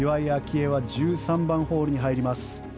愛は１３番ホールに入ります。